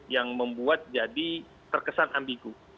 yang membuat jadi terkesan ambigu